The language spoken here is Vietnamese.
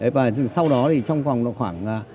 và sau đó thì trong khoảng